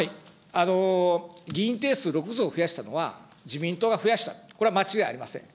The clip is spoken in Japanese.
議員定数６増、増やしたのは、自民党が増やした、これは間違いありません。